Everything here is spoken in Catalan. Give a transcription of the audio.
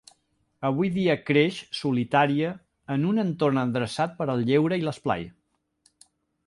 Avui dia creix, solitària, en un entorn endreçat per al lleure i l'esplai.